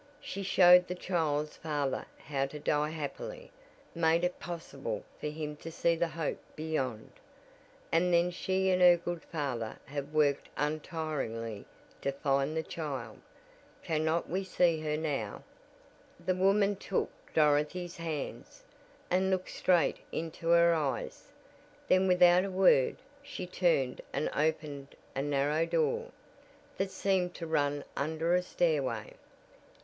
She showed the child's father how to die happily made it possible for him to see the hope beyond, and then she and her good father have worked untiringly to find the child. Cannot we see her now?" [Illustration: Instantly Dorothy had her arms around the little girl] The woman took Dorothy's hands, and looked straight into her eyes. Then, without a word, she turned and opened a narrow door, that seemed to run under a stairway.